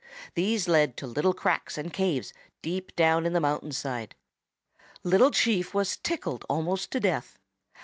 These led to little cracks and caves deep down in the mountain side. Little Chief was tickled almost to death.